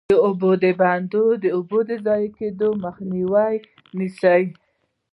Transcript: د اوبو بندونه د اوبو د ضایع کیدو مخه نیسي.